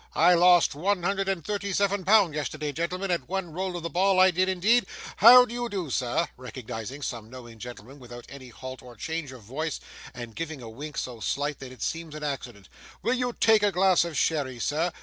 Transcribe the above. I lost one hundred and thirty seven pound yesterday, gentlemen, at one roll of the ball, I did indeed! how do you do, sir?' (recognising some knowing gentleman without any halt or change of voice, and giving a wink so slight that it seems an accident), 'will you take a glass of sherry, sir?